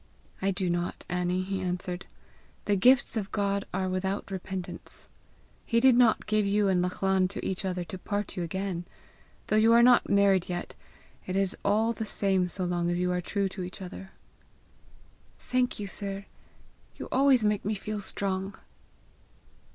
"I do not, Annie," he answered. "'The gifts of God are without repentance.' He did not give you and Lachlan to each other to part you again! Though you are not married yet, it is all the same so long as you are true to each other." "Thank you, sir; you always make me feel strong!"